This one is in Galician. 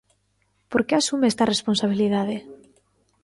Por que asume esta responsabilidade?